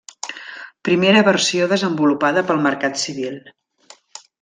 Primera versió desenvolupada pel mercat civil.